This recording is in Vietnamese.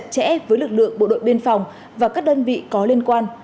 chẽ với lực lượng bộ đội biên phòng và các đơn vị có liên quan